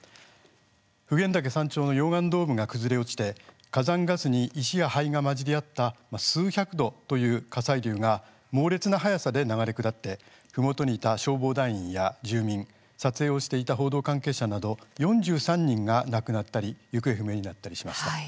普賢岳山頂の溶岩ドームが崩れ落ちて火山ガスに石や灰が混じり合った数百度という火砕流が猛烈な速さで流れ下りふもとにいた消防団員や住民撮影をしていた報道関係者など４３人が亡くなったり行方不明になりました。